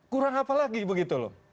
kurang apa lagi begitu loh